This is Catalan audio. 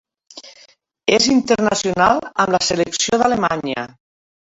És internacional amb la selecció d'Alemanya.